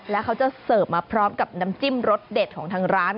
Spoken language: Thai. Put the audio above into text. แล้วเขาจะเสิร์ฟมาพร้อมกับน้ำจิ้มรสเด็ดของทางร้าน